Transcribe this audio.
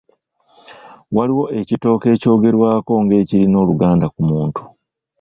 Waliwo ekitooke ekyogerwako ng'ekirina oluganda ku muntu.